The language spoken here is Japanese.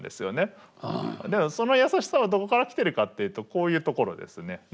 でその優しさはどこから来てるかっていうとこういうところですね。